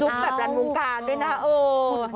จุ๊บแบบร้านมุมการด้วยนะโอ้ว